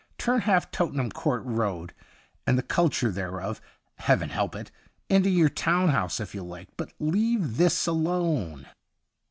Turn half Tottenham Court Road and the culture thereof — Heaven help it !— into your town house if you like, but leave this alone.'